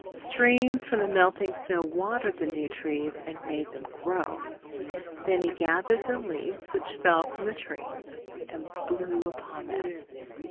Streams from the melting snow watered the new trees and made them grow. Then he gathered the leaves which fell from the trees and blew upon them.